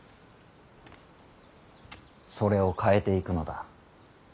それを変えていくのだ。